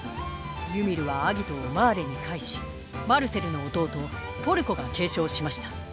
ユミルは「顎」をマーレに返しマルセルの弟ポルコが継承しました。